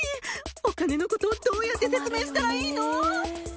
お金のことどうやって説明したらいいの？